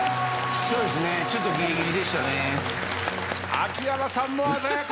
秋山さんも鮮やか。